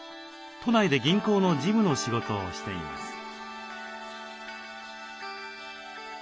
都内で銀行の事務の仕事をしています。